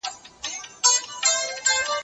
زه کرمه سره ګلاب ازغي هم ور سره شنه سي